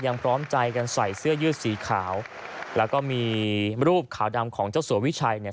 พร้อมใจกันใส่เสื้อยืดสีขาวแล้วก็มีรูปขาวดำของเจ้าสัววิชัยเนี่ย